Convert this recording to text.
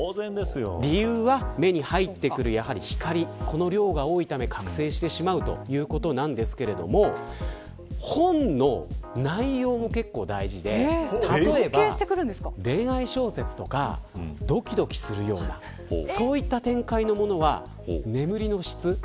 理由は目に入ってくる光この量が多いため覚醒してしまうということですが本の内容も結構大事で例えば恋愛小説とかどきどきするようなそういった展開のものは眠りの質。